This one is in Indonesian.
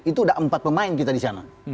itu ada empat pemain kita di sana